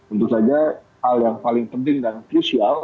untuk saja hal yang paling penting dan krusial